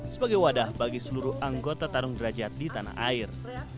sebagai wadah bagi seluruh anggota tarung derajat di tanah air